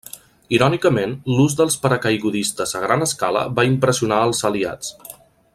Irònicament, l'ús dels paracaigudistes a gran escala va impressionar als aliats.